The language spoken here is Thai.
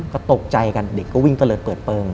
ก็ตกใจกันเด็กก็วิ่งเตลอดเปิดเปิง